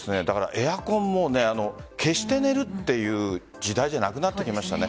エアコンも消して寝るという時代じゃなくなってきましたね。